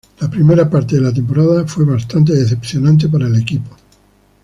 La primera parte de la temporada fue bastante decepcionante para el equipo.